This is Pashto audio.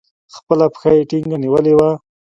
خپله پښه يې ټينگه نيولې وه.